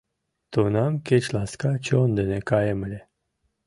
Тунам кеч ласка чон дене каем ыле.